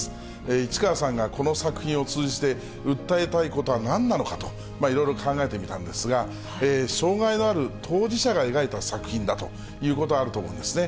市川さんがこの作品を通じて訴えたいことは何なのかと、いろいろ考えてみたんですが、障がいのある当事者が描いた作品だということはあると思うんですね。